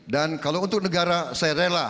dan kalau untuk negara saya rela